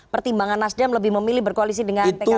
pertimbangan nasdem lebih memilih berkoalisi dengan pkb